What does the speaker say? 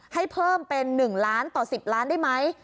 ให้เพิ่มเป็น๑ล้านต่อ๑๐ล้านได้ไหม